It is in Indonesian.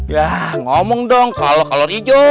yah ngomong dong kalau kolor ijo